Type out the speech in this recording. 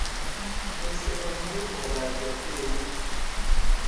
استعدادهای مادرزادی او